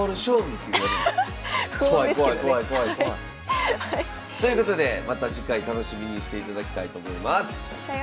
怖い怖い怖い怖い怖い。ということでまた次回楽しみにしていただきたいと思います。